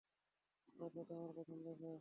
তার সাথে আমার প্রথম দেখা।